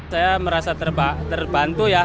saya merasa terbantu ya